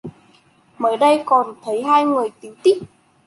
mới đây còn tháy hai người tíu tít